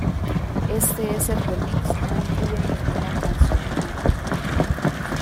Este es el remix no incluye ninguna canción nueva.